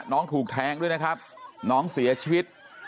น้องถูกแทงด้วยนะครับน้องเสียชีวิต